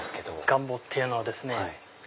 ガンボっていうのはですね